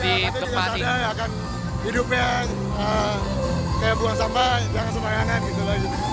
jika ada yang akan hidupnya kayak buang sampah jangan semayangan gitu lagi